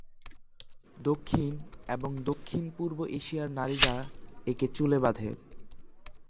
দক্ষিণ এবং দক্ষিণ-পূর্ব এশিয়ার নারীরা একে চুলে বাঁধে।